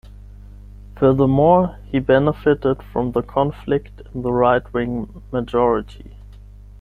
Furthermore, he benefited from the conflict in the right-wing majority.